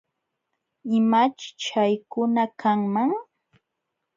¿Imaćh chaykuna kanman?